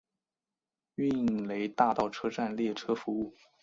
涅雷大道车站列车服务。